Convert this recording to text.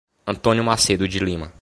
Antônio Macedo de Lima